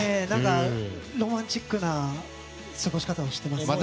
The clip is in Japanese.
ロマンチックな過ごし方をしてます。